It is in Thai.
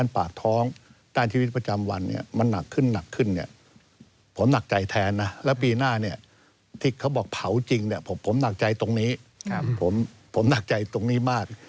ผมนักใจตรงนี้มาก